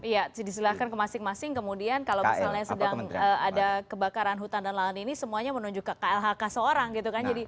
ya disilahkan ke masing masing kemudian kalau misalnya sedang ada kebakaran hutan dan lahan ini semuanya menunjuk ke klhk seorang gitu kan